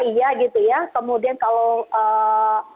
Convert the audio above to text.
iya gitu ya kemudian kalau